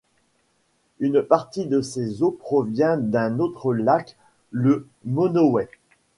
Une partie de ses eaux provient d'un autre lac, le Monowai.